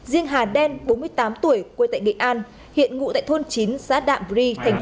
riêng hà đen bốn mươi tám tuổi quê tại nghệ an hiện ngụ tại thôn chín xã đạm rinh